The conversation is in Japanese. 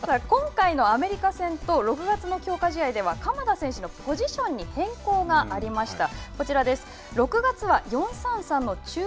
今回のアメリカ戦と６月の強化試合では鎌田選手のポジションに変更がありました。